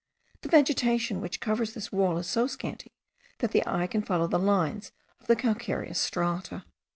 The vegetation which covers this wall is so scanty, that the eye can follow the lines of the calcareous strata.